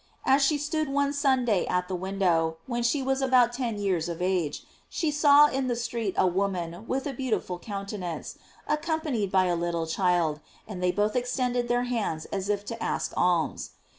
As she stood one Sunday at the window, when she was about ten years of age, she saw in the street a woman with a beautiful countenance, accom panied by a little child, and they both extended their hands as if to ask alms.